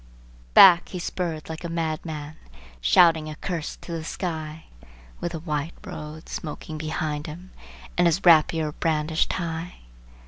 Back, he spurred like a madman, shrieking a curse to the sky, With the white road smoking behind him and his rapier brandished high!